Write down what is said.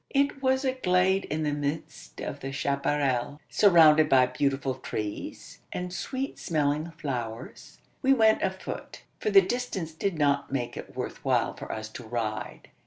It was a glade in the midst of the chapparal, surrounded by beautiful trees, and sweet smelling flowers. We went afoot: for the distance did not make it worth while for us to ride.